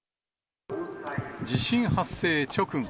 地震発生直後。